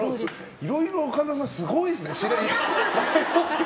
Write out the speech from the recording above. いろいろ神田さん、すごいですね。